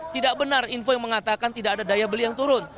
tidak benar info yang mengatakan tidak ada daya beli yang turun